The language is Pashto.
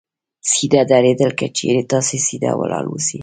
سیده درېدل : که چېرې تاسې سیده ولاړ اوسئ